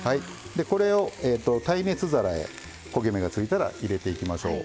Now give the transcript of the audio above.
これを耐熱皿へ焦げ目がついたら入れていきましょう。